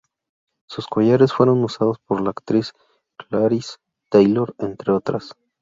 Sus collares fueron usados por la actriz Clarice Taylor, entre otras.